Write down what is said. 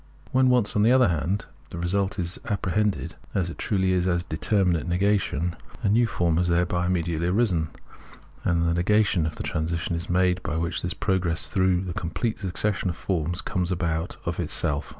When once, on the other hand, the result is apprehended, as it truly is, as determinate negation, a new form has thereby im mediately arisen ; and in the negation the transition is made by which the progress through the complete succession of forms comes about of itself.